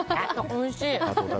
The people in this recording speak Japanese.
おいしい。